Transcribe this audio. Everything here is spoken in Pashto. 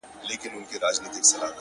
زما لفظونه په سجده دې په لمانځه پاته دي-